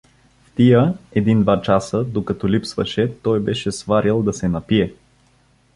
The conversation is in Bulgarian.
В тия един-два часа, докато липсваше, той беше сварил да се напие.